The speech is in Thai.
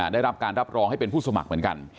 ได้รับการรับรองให้เป็นผู้สมัครเหมือนกัน